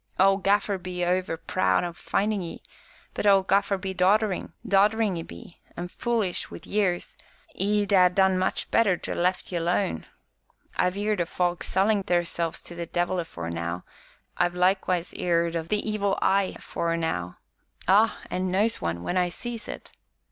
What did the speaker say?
Old Gaffer be over proud o' findin' ye, but old Gaffer be dodderin' dodderin' 'e be, an' fulish wi' years; 'e'd ha' done much better to ha' left ye alone I've heerd o' folk sellin' theirselves to the devil afore now, I've likewise heerd o' the 'Evil Eye' afore now ah! an' knows one when I sees it."